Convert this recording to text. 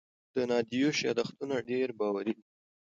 د تادیوش یادښتونه ډېر باوري دي.